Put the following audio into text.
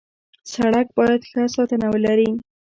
سړک باید ښه ساتنه ولري.